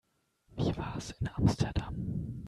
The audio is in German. Wie war's in Amsterdam?